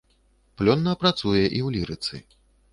Плённа працуе і ў лірыцы.